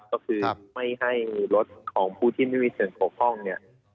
ก็คือไม่ให้รถของผู้ที่ไม่มีส่วนเกี่ยวข้องเนี่ย